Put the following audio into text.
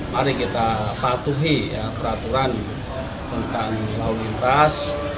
mari kita patuhi peraturan tentang lalu lintas